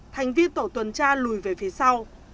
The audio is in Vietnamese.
thành viên tổ tuần tra lùi về phía sau